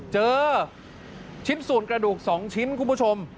เจอชิ้นส่วนกระดูก๒ชิ้นคุณผู้ชม